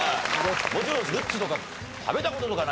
もちろんルッツとか食べた事とかないだろ？